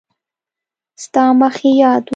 ستا مخ مې یاد و.